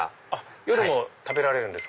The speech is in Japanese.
夜も食べられるんですか？